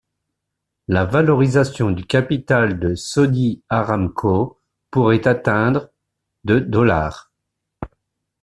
La valorisation du capital de Saudi Aramco pourrait atteindre de dollars.